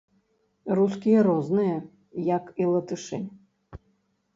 Рускія розныя, як і латышы.